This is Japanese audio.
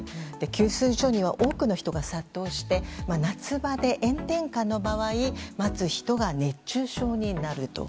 給水所には多くの人が殺到して夏場で炎天下の場合待つ人が熱中症になると。